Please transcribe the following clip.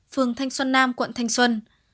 phường thanh xuân nam quận thanh xuân